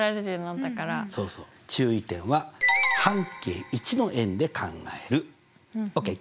注意点は半径１の円で考える。ＯＫ？